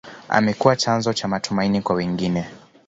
amekuwa chanzo cha matumaini kwa wengine